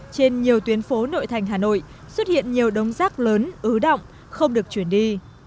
trên nhiều tuyến phố nội thành hà nội xuất hiện nhiều đống rác lớn ứ động không được chuyển đi